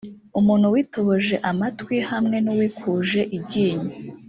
Umuntu witoboje amatwi hamwe n’uwikuje iryinyo